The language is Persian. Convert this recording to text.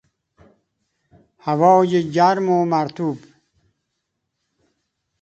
هوای گرم و مرطوب